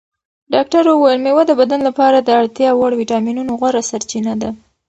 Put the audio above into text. ډاکتر وویل مېوه د بدن لپاره د اړتیا وړ ویټامینونو غوره سرچینه ده.